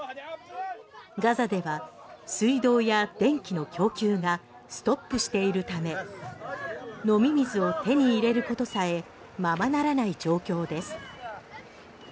ガザでは水道や電気の供給がストップしているため飲み水を手に入れることさえままならない状況です。